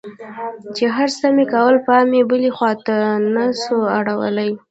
چې هرڅه مې کول پام مې بلې خوا ته نه سو اړولى.